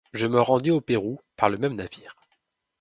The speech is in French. Je me rendais au Pérou par le même navire.